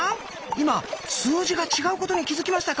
今数字が違うことに気付きましたか？